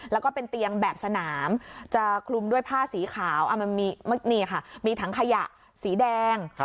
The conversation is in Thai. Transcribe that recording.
แล้วก็เป็นเตียงแบบสนามจะคลุมด้วยผ้าสีขาวนี่ค่ะมีถังขยะสีแดง